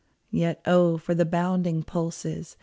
Yet, oh, for the bounding pulses.